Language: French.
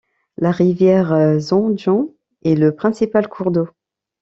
La rivière Zandjan est le principal cours d'eau.